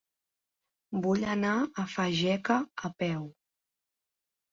Vull anar a Fageca a peu.